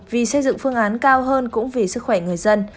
vì xây dựng phương án cao hơn cũng vì sức khỏe người dân